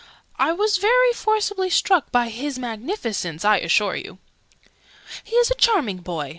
"I was very forcibly struck by His Magnificence, I assure you!" "He is a charming boy!"